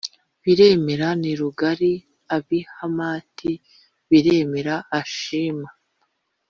Biremera nerugali ab i hamati biremera ashima